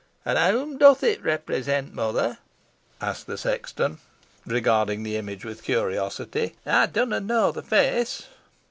"An whoam doth it represent, mother?" asked the sexton, regarding the image with curiosity. "Ey dunna knoa the feace?"